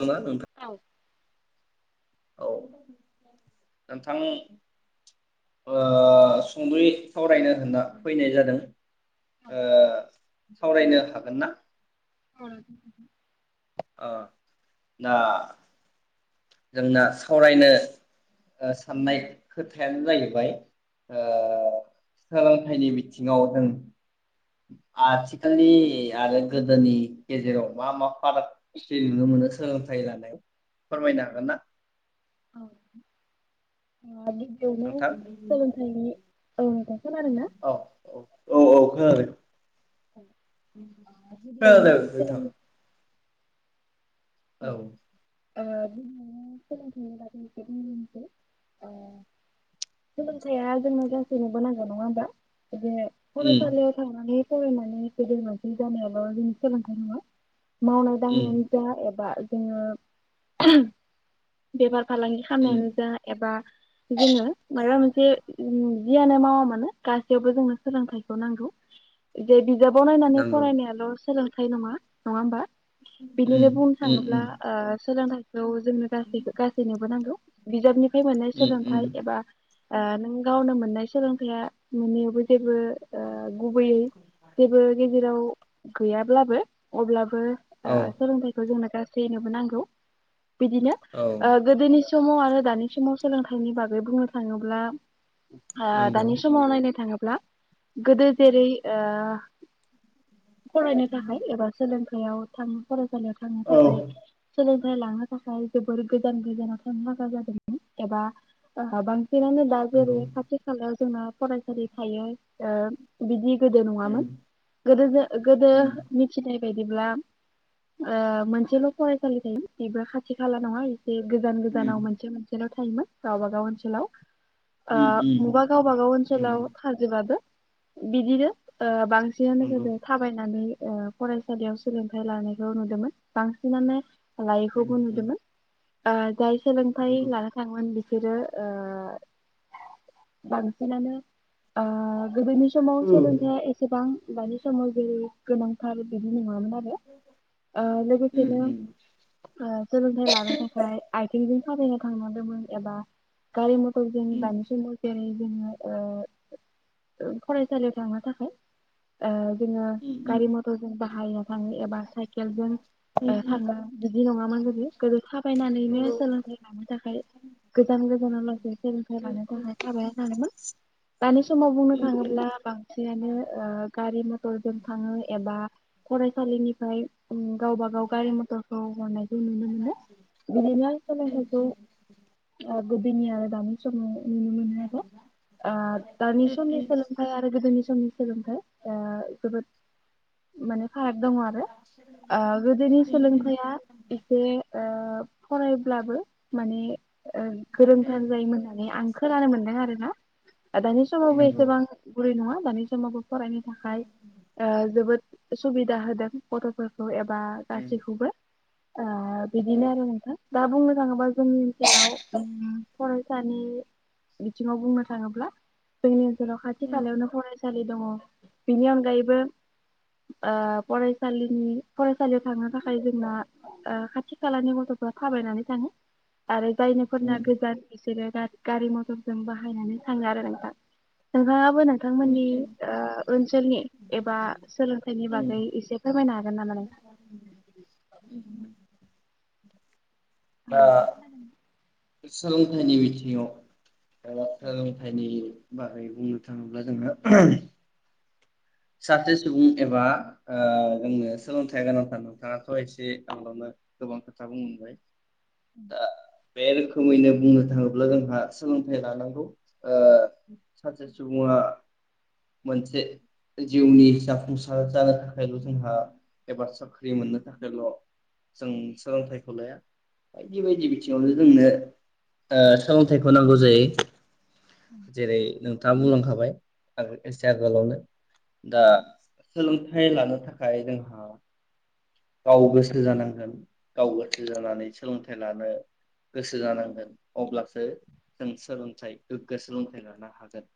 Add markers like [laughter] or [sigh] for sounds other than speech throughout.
[inaudible] नोंथां। औ औ नोंथां ओ सुंदयै सावरायनो होनना फैनाय जादों। ओ। सावरायनो हागोन ना। अं ओ ना जोंना सावरायनो ओ साननाय खोथायानो जाहैबाय ओ सोलोंथाइनि बिथिंङाव जों आथिखालनि आरो गोदोनि गेजेराव मा मा फारागथि नुनो मोनो सोलोंथाइ लानायाव फोरमायना ना औ [unintelligible] नोंथां औ नोंथां खोनादोंना औ औ औ औ गिबियावनो खोनादों सोलोंथाइ [unintelligible] औ ओह [unintelligible] ओह सोलोंथाया जोंनो गासैनोबो नां [unintelligible] नंङा होमबा? बिदिनो उम फरासालियाव थांनानै सोलोंनानै गेदेर मानसि जानायाबो सोलोंथाइ नंङा। मावनाय उम दांनायानो जा एब बा जोंङो बेबार फालांगि उम खालामनायानो जा एबा जोंङो मायबा मोनसे सो उम जियानो मावा मानो गासैयावबो जोंनो सोलोंथाइखौ नांगौ जे बि जाबाव नायनानै नंगौ फरायनायाल' सोलों थाय नंङा, नंङा ओमबा? उम थांङोब्ला उम ओ सोलोंथाइ थ जोंनो गासैबो गासैनोबो नांगौ। बिजाबनि बे मोननाय उम सोलोंथाइ उम एबा ओ नों गावनो मोननाय सोलोंथाइया मोनैयावबो जेबो ओ गुबैयै जेबो गेजेराव गैयाब्लाबो अब्लाबो बो औ ओ सोलोंथाय जोंनो गासैनोबो नांगौ। बिदिनो औ ओह गोदोनि स समाव आरो दानि समाव सोलोंथाइनि बागै बुंनो थांङोब्ला आह नंगौ दानि समाव नायनो थांङोब्ला गोदो जेरै ओ फरायनो थाखाय एबा सोलों बेयाव थाम फरायसालियाव। थांनो औ थाखाय सोलों थाय लानो थाखाय जोबोर गोजान गोजानाव थांनो नागा जादोंमोन एबा ओ बां [unintelligible] दा नंगौ जेरै खाथि खाला। जोंना फरायसालि थायो ओ बिदि गोदो नङामोन उम गोदो गोदो उम मिथिनाय बिदिब्ला ओ मोनसेल' फरायसालि थायोमोन बेबो खाथि खाला नङा बे गोजान उम गोजानाव मोनसे मोनसेल' था थायोमोन गावबा गाव ओनसोलाव। उम ओ मबा गावबागाव ओनसोलाव नंगौ थाजोबाबो बिदिनो ओ बांसिनानो नंगौ गोदो थाबायनानै ओ फरायसालियाव सोलोंथाइ लानाय नुनो मोनदोमोन बांसिनानो। उम लायिखौबो उम नुदोंमोन आ जाय सोलोंथाइ नंगौ लानो थाङोमोन बिस बिसोरो ओ बांसिनानो ओ गोदोनि समाव औ सोलोंथाया एसेबां। दानि सामग्रि गोनांथार बिदि नङामोन आरो [unintelligible] ओ उम लोगोसेनो उम ओ सोलोंथाइ लानो थाखाय। आथिंजों थाबायना थांनादोंमोन एबा गारि म उम उम [unintelligible] जोङो ओ फरायसालियाव थांनो थाखाय ओ जोङो उम उम गारि मथरजों बाहायनो थाङो एबा जों ओ उम थांनो बिदि नङामोन गोदो गोदो थाबायनानैनो नंगौ सोलोंथाइ लानो थाखाय गोजान गोजानाव लासै सोलोंथाइ उम लानो उम थाखाय थाबायना थाङोमोन दानि समाव बुंनो उम उम थाङोब्ला बांसिनानो ओ गा [unintelligible] [unintelligible] जों थाङो एबा फराय सालिनिफ्राय। ओम गावबा गाव गारि मथरखौ हरनायखौ नुनो मोनो बिदिनो सोलोंथाइखौ ओह। उम [inaudible] [unintelligible] ओ दानि उम समनि उम सोलोंथाइ आरो गोदोनि स समनि सोलोंथाइ ओ जोबोद माने फाराग दं आरो। ओ गोदोनि उम सोलोंथाया इसे ओ फराय ब्लाबो माने ओ उम गोरोंथार जायोमोन होननानै आं खोनानो मोन्दों आरो ना दानि समावबो नंगौ एसेबां गुरै नङा। [unintelligible] फरायनो थाखाय ओ जोबोद सुबिदा होदों गथ'फोर [unintelligible] बा उम गासिखौबो आ उम बिदिनो आरो नोंथां। दा बुंनो थाङोबा जोंनि ओनसोलाव [inaudible] फरायसानि बिथिङाव बुंनो थाङोब्ला जोंनि [unintelligible] खाथि उम खालायावनो फरायसा सालि दङ' बिनि अनगायैबो ओ फरायसालिनि फरायसालियाव थांनो थाखाय जोंना ओ खाथि खालानि गथ'फ्रा थाबायनानै थाङो। आरो जायनिफोरना उम गोजान बिसोरो [unintelligible] गारि मथरजों बाहायनानै थाङो आरो नोंथां नोंहा [unintelligible] नोंथांमोननि उम ओ ओनसोलनि एबा सोलोंथाइनि उम बागै उम एसे फोरमायनो हागो [unintelligible] [unintelligible] दा [unintelligible] सोलोंथाइनि बिथिङाव [unintelligible] सोलोंथायनि [unintelligible] बुंनो थाङोब्ला जोंङो [unintelligible] साते सुबुं एबा ओ जोंनो सोलोंथाइ गोनांथार नोंथाङाथ' एसे [unintelligible] गोबां खोथा बुं [unintelligible] [inaudible] बे रोखोमैनो बुंनो थाङोब्ला जोंहा सोलोंथाइ लानांगौ ओ सासे सुबुङा मोनसे जिउनि जाफुंसार जानो थाखायल' जोंहा एबा साख्रि मोननो थाखायल' जों सोलोंथाइखौ लाया बायदि बायदि बिथिङावनो जोंनो ओ सोलोंथाइखौ नांगौ जायो। जेरै नोंथाङा [unintelligible] [unintelligible] एसे आगोलावनो। दा सोलोंथाइ लानो थाखाय जोंहा गाव गोसो जानांगोन गाव [unintelligible] जानानै सोलोंथाइ लानो गोसो जानांगोन अब्लासो जों सोलोंथाइ गोग्गो सोलोंथाइ लानो हागोन।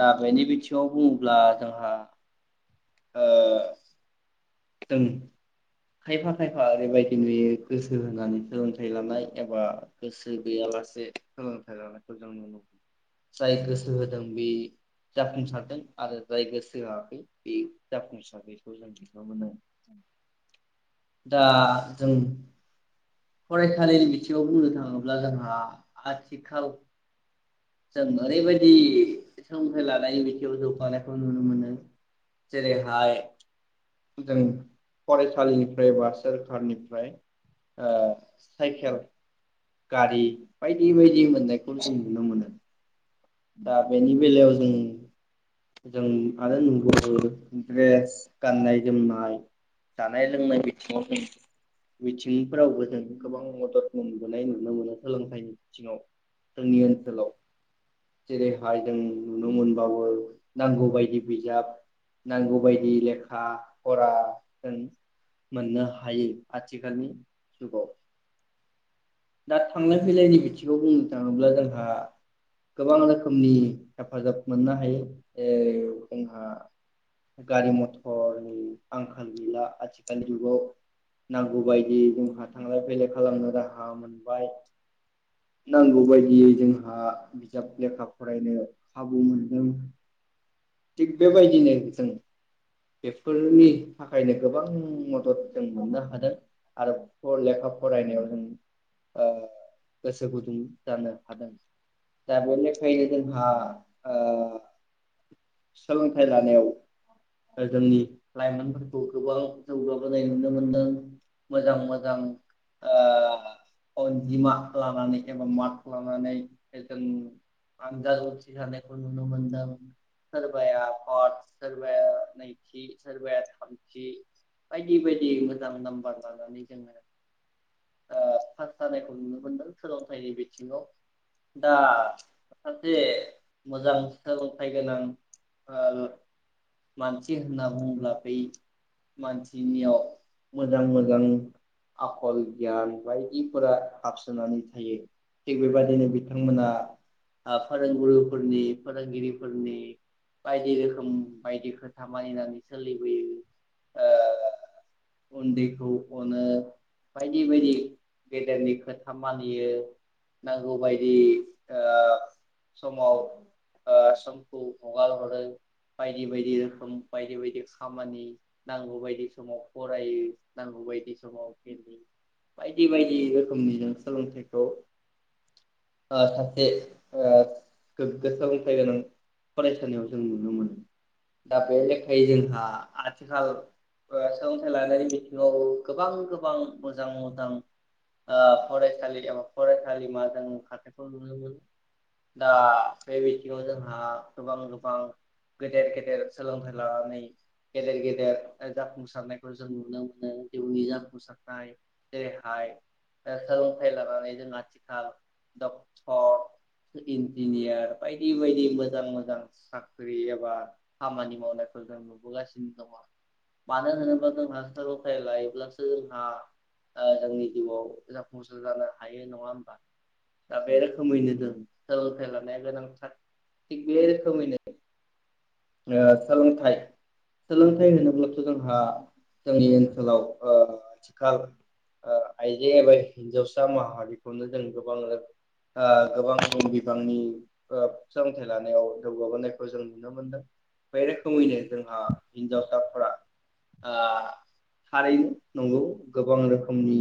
दा बेनि बिथिङाव बुङो अब्ला जोंहा जों खायफा खायफा ओरैबायदि नुयो गोसो होनानै सोलोंथाइ लानाय एबा गोसो गैयालासे सोलोंथाइ लानायखौ जों नुनो मोनदों जाय गोसो होदों बे जाफुंसारदों। आरो जाय गोसो होआखै बे जाफुंसारनायखौ जों नुनो मोनो। [unintelligible] दा जों फरायसालिनि बिथिङाव बुंनो थाङोब्ला जोंहा आथिखाल जों ओरैबायदि सोलोंथाइ लानायनि बिथिंआव जौगानायखौ नुनो मोनो जेरैहाय जों फरायसालिनिफ्राय बा सोरखारनिफ्राय ओ साइकेल गारि बायदि बायदि मोननायखौ जों नुनो मोनो। दा बेनि बेलायाव जों। जों आरो नंगौबो गाननाय जोमनाय जानाय लोंनाय बिथिङाव जों बिथिंफोरावबो जों गोबां मदद मोनबोनाय नुनो मोनो सोलोंथाइनि बिथिङाव जोंनि ओनसोलाव जेरैहाय जों नुनो मोनबाबो नांगौ बायदि बिजाब नांगौबायायदि लेखा फरा जों मोननो हायो आथिखालनि जुगाव दा थांलाय फैलायनि बिथिंखौ बुंनो थाङोब्ला जोंहा। गोबां रोखोमनि हेफाजाब मोननो हायो जेरै जोंहा गारि मथरनि आंखाल गैला आथिखालनि जुगाव नांगौ बायदियै जोंहा थांलाय फैलाय खालामनो राहा मोनबाय नांगौ बायदियै जोंहा। बिजाब लेखा फरायनो खाबु मोनदों थिग बेबायदिनो जों बेफोरनि थाखायनो गोबां मदद जों मोननो हादों आरो लेखा फरायनायाव जों ओ गोसो गुदुं जानो हादों। दा बे लेखायनो जोंहा ओ सोलोंथाइ लानायाव जोंनि लाइमोनफोरखौ गोबां जौगाबोनाय नुनो मोनदों मोजां मोजां ओ अनजिमा लानानै एबा मार्क लानानै। जों आनजाद उथ्रिसानायखौ नुनो मोनदों सोरबाया पट सोरबाया नैथि सोरबाया थामथि बायदि बायदि मोजां नाम्बार लानानै जोङो पास जानायखौ नुनो मोनदों सोलोंथाइनि बिथिङाव। दा माखासे मोजां सोलोंथाइ गोनां ओ मानसि होनना बुंङोब्ला बै मानसिनियाव मोजां मोजां आखल गियान बायदिफोरा हाबसोनानै थायो थिग बेबायदिनो बि बिथांमोना ओ फोरोंगुरुफोरनि फोरोंगिरिफोरनि बायदि रोखोम बायदि खोथा मानिनानै सोलिबोयो ओ उन्दैखौ अनो बायदि बायदि गेदेरनि खोथा मानियो नांगौ बायदि। दि ओ समाव ओ समखौ हगार हरो बायदि बायदि रोखोम बायदि बायदि खामानि नांगौ बायदि समाव फरायो नांगौ बायदि समाव गेले बायदि बायदि रोखोमनि जों सोलोंथाइखौ - ओ सासे ओ गोग्गो सोलोंथाइ गोनां फरायसालियाव जों नुनो मोनो दा बे लेखायै जोंहा आथिखाल सोलोंथाइ लानायनि बिथिङावबो गोबां गोबां मोजां मोजां ओ फरायसालि एबा फरायसालिमा जों खौ नुनो मोनो दा बे बिथिङाव जोंहा गोबां-गोबां गेदेर-गेदेर सोलोंथाइ लानानै गेदेर गेदेर जाफुंसारनायखौ जों नुनो मोनो जिउनि जाफुंसारनाय जेरैहाय सोलोंथाइ लानानै जों आथिखाल डक्टर इन्जिनियार बायदि बायदि मोजां मोजां साख्रि एबा खामानि मावनायखौ जों नुबोगासिनो दङ मानो होनोबा जोंहा सोलोंथाय लायोब्लासो जोंहा ओ जोंनि जिउआव जाफुंसार जानो हायो नङा होमबा। आ बेरोखोमैनो जों। सोलोंथाइ लानाया गोनांथार थिग बे रोखोमैनो ओ सोलोंथाइ सोलोंथाइ होनोब्लाथ जोंहा जोंनि ओनसोलाव ओ आथिखाल ओ आइजो एबा हिनजावसा माहारिखौनो जों गोबां रो [inaudible] गोबां बिबांनि ओ सोलोंथाइ लानायाव जौगाबोनायखौ जों नुनो मोनदों। बे रोखोमैनो जोंहा हिनजावसाफोरा ओ थारैनो नंगौ गोबां रोखोमनि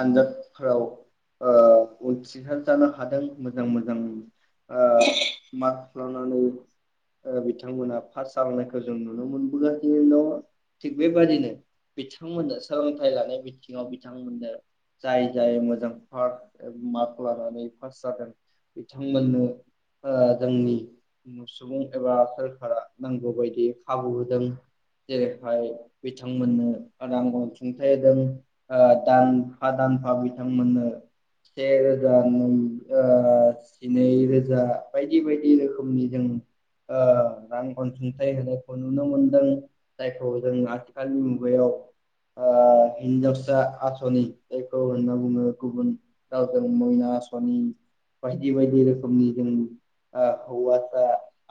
आनजादफोराव ओ उथ्रिसार जानो हादों मोजां मोजां ओ मार्क लानानै बिथांमोना पास जालांनायखौ जों नुनो मोनबोगासिनो दङ थिग बेबादिनो बिथांमोननो सोलोंथाइ लानाय बिथिङाव बिथांमोननो जाय जाय मोजां पार मार्क लानानै पास जादों बिथांमोननो ओ जोंनि सुबुं एबा सोरखारा नांगौबायायदि खाबु होदों जेरैहाय बिथांमोननो रां अनसुंथाइ होदों ओ दान [unintelligible] दानफा बिथांमोननो से रोजा ओ जिनैरोजा बायदि बायदि रोखोमनि जों ओ रां अनसुंथाइ होनायखौ नुनो मोनदों जायखौ जों आथिखालनि मुगायाव ओ हिनजावसा आसनि। जायखौ होनना बुङो गुबुन रावजों मैना आसनि बायदि बायदि रोखोमनि जों ओ हौवासा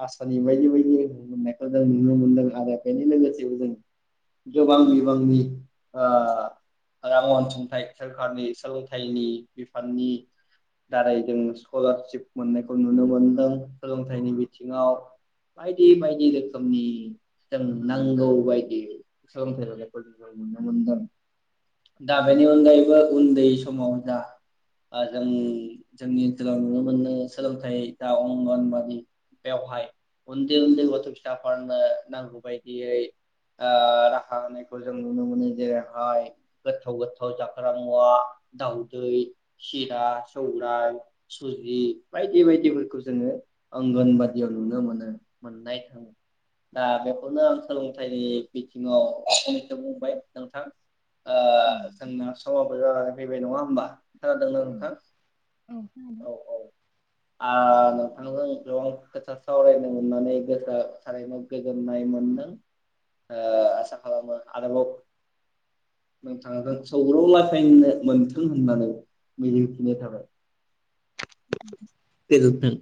आसनि बायदि बायदि मोननायखौ जों नुनो मोनदों आरो बेनि लोगोसेबो जों गोबां बिबांनि रां अनसुंथाइ सोरखारनि सोलोंथाइनि बिफाननि दारै जों स्कलारशप मोननायखौ नुनो मोनदों सोलोंथाइनि बिथिङाव बायदि बायदि रोखोमनि जों नांगौ बायदि सोलोंथाइ लायखौ जों नुनो मोनदों दा बेनि अनगायैबो। बो उन्दै समाव जा जों जोंनि ओनसोलाव नुनो मोनो सोलोंथाइ जा अंगनबादि बेवहाय उन्दै-उन्दै गथ' फिसाफोरनो नांगौ बायदियै ओ राहा होनायखौ जों नुनो मोनो जेरैहाय गोथथावगोथथाव जा ग्रा मुवा दाउदै सिरा सौरां सुजि बायदि बायदिफोरखौ जोङो आंगनबादियाव नुनो मोनो मोननाय थाङो दा बेखौनो आं सोलोंथाइनि बिथिङावसो बुंबाय नोंथां। आ जोंनो फैबाय नङा होनोमबा। खोनादों नोंथां औ औ। ओ नोंथांजों गोबां खोथा सावरायनो मोननानै गोसोआ थारैनो गोजोननाय मोनदों ओ आसा खालामो आरोबाव नोंथांजों सौ मोनथों होननानै मिजिंथिनाय थाबाय। गोजोन्थों।